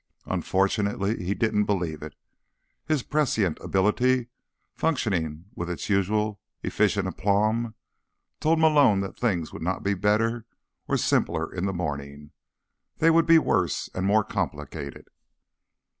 Unfortunately, he didn't believe it. His prescient ability, functioning with its usual efficient aplomb, told Malone that things would not be better, or simpler, in the morning. They would be worse, and more complicated.